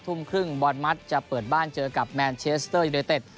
ทุ่มครึ่งบอลมัสจะเปิดบ้านเจอกับแมนเชสเตอร์ยูเนเต็ด